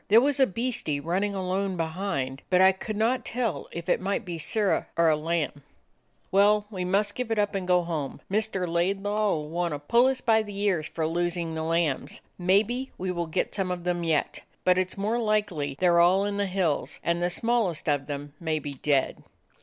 There was a beastie runnin' alone behind, but I could not tell if it might be Sirrah or a lamb." "Well, we must give it up, and go home. Mr. Laidlaw 'll want to pull us by the ears for losing the lambs. Maybe we will get some of them yet, but it 's more like they 're all in the hills, and the smallest of them may be dead."